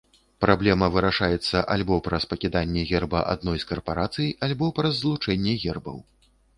Праблема вырашаецца альбо праз пакіданне герба адной з карпарацый, альбо праз злучэнне гербаў.